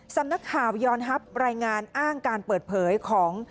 สำนักข่าวยอนฮัพรายงานอ้างการเปิดเผยของ